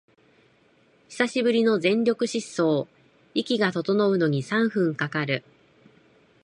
久しぶりの全力疾走、息が整うのに三分かかる